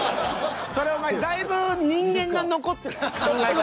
それお前だいぶ人間が残ってない？考え方。